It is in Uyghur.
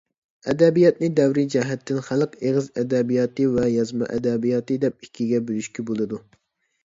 ئەدەبىياتىنى دەۋر جەھەتتىن خەلق ئېغىز ئەدەبىياتى ۋە يازما ئەدەبىيات دەپ ئىككىگە بۆلۈشكە بولىدۇ.